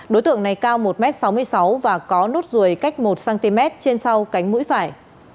đối tượng này cao một m sáu mươi sáu và có nốt ruồi cách một cm trên sau cánh mũi phải